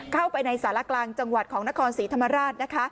เข้าไปในสารกลางจังหวัดของนครศรีธรรมราชนะคะ